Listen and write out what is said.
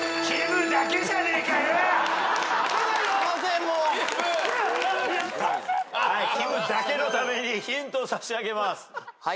きむだけのためにヒントを差し上げます。